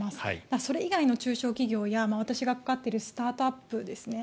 それ以外の中小企業や私が関わっているスタートアップですね。